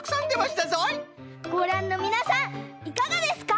ごらんのみなさんいかがですか？